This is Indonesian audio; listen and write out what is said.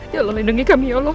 ya allah lindungi kami ya allah